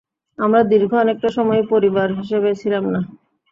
আমরা দীর্ঘ অনেকটা সময়ই পরিবার হিসেবে ছিলাম না!